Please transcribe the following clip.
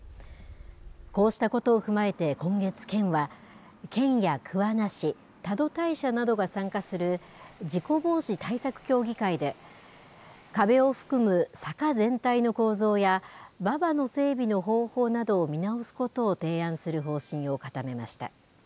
こうしたことを踏まえて今月、県は、県や桑名市、多度大社などが参加する、事故防止対策協議会で、壁を含む坂全体の構造や、馬場の整備の方法などを見直すことを提案する方針を固めました。